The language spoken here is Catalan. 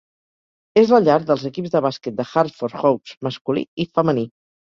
És la llar dels equips de bàsquet de Hartford Hawks masculí i femení.